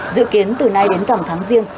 dự kiến từ nay đến dòng tháng riêng